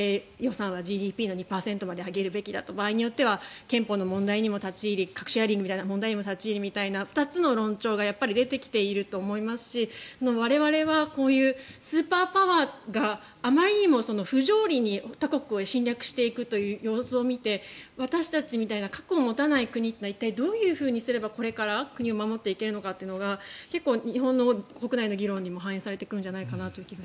防衛予算はＧＤＰの２％まで上げるべきだと場合によっては憲法の問題にも立ち入り核シェアリングにも立ち入りという２つの論調が出てきていると思いますし我々はこういうスーパーパワーがあまりにも不条理に他国を侵略していくという様子を見て私たちみたいな核を持たない国はどういうふうにすればこれから国を守っていけるのかというのが結構、日本も国内の議論にも反映されていくんじゃないかと。